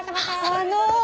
あの。